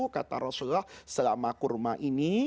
kata rasulullah selama kurma ini